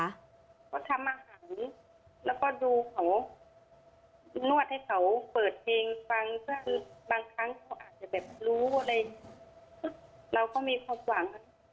เขาทำอาหารแล้วก็ดูเขานวดให้เขาเปิดเพลงฟังก็คือบางครั้งเขาอาจจะแบบรู้อะไรเราก็มีความหวัง